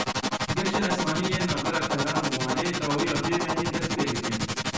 Geştên esmanî yên navbera Tehran û Wanê dawiya vê mehê dest pê dikin.